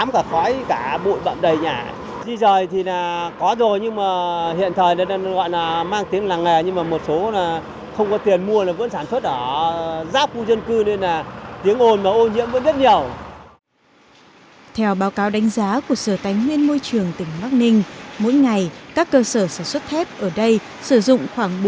các bạn hãy đăng kí cho kênh lalaschool để không bỏ lỡ những video hấp dẫn